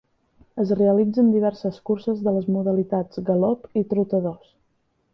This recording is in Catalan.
Es realitzen diverses curses de les modalitats galop i trotadors.